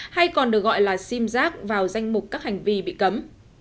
hay còn được gọi là sim giác vào danh mục các hành vi bị cấm